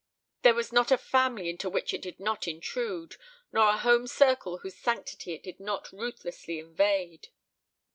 There was not a family into which it did not intrude, nor a home circle whose sanctity it did not ruthlessly invade.